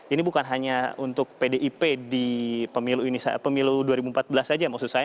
ini bukan hanya untuk pdip di pemilu dua ribu empat belas saja maksud saya